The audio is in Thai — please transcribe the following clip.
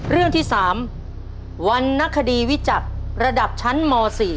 เรื่องที่๓วรรณคดีวิจักรระดับชั้นม๔